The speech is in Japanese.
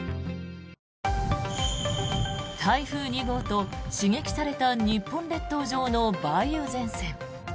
台風２号と、刺激された日本列島上の梅雨前線。